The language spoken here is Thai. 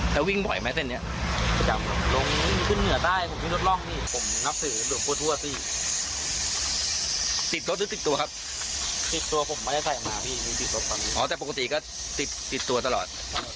ติดตัวตลอด